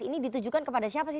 ini ditujukan kepada siapa sih